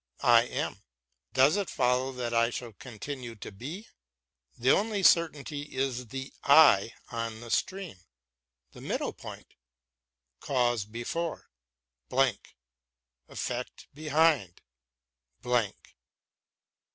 / am. Does it follow that I shall continue to be ? The only certainty is, the I on the stream, the middle point ; cause before — blank ; effect behind — ^blank.